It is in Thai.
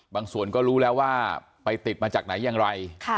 ส่วนก็รู้แล้วว่าไปติดมาจากไหนอย่างไร